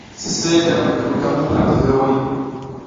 Sise da buy mi ga muƞ ati hiriwiy.